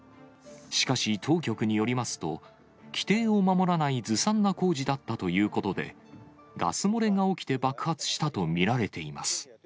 しかし、当局によりますと、規定を守らないずさんな工事だったということで、ガス漏れが起きて爆発したと見られています。